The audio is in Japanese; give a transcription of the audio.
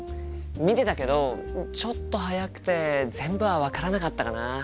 見てたけどちょっと速くて全部は分からなかったかな。